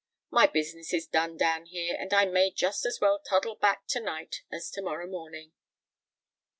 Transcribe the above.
My business is done down here; and I may just as well toddle back to night as to morrow morning."